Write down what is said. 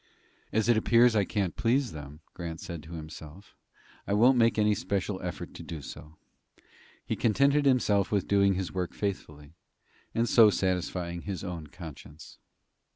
"As it appears I can't please them," Grant said to himself, "I won't make any special effort to do so." He contented himself with doing his work faithfully, and so satisfying his own conscience.